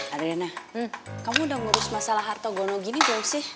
adelena kamu udah ngurus masalah harto gono gini belum sih